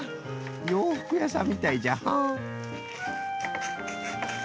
ようふくやさんみたいじゃ。